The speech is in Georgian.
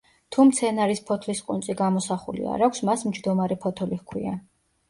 თუ მცენარის ფოთლის ყუნწი გამოსახული არ აქვს, მას მჯდომარე ფოთოლი ჰქვია.